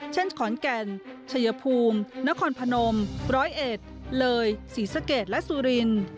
เช่นขอนแก่นชัยภูมินครพนมร้อยเอ็ดเลยศรีสะเกดและสุรินทร์